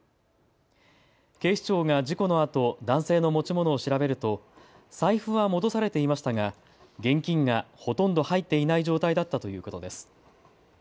警視庁が事故のあと男性の持ち物を調べると財布は戻されていましたが現金がほとんど入っていない状態だったということです。